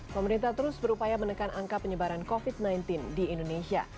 pemerintah terus berupaya menekan angka penyebaran covid sembilan belas di indonesia